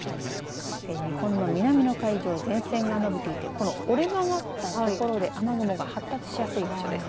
日本の南の海上前線が伸びていてこの折れ曲がった所で雨雲が発達しやすい場所です。